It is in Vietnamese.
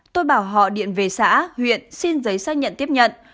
tôi bảo họ điện về xã huyện xin giấy xác nhận tiếp nhận